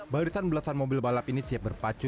barisan belasan mobil balap ini siap berpacu